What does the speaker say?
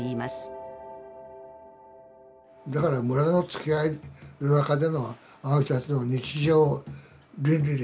だから村のつきあいの中でのあの人たちの日常倫理ですね。